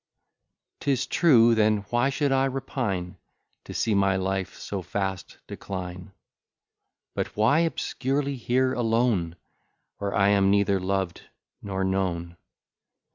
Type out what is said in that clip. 'Tis true then why should I repine To see my life so fast decline? But why obscurely here alone, Where I am neither loved nor known?